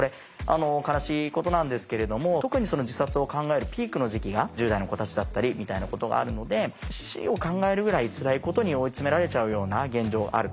悲しいことなんですけれども特に自殺を考えるピークの時期が１０代の子たちだったりみたいなことがあるので死を考えるぐらいつらいことに追い詰められちゃうような現状があると。